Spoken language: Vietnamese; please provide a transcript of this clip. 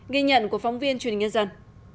ghi nhận của phóng viên truyền nghe dần